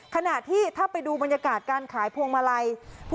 ขณะที่ถ้าไปดูบรรยากาศการขายพวงมาลัย